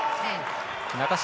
中島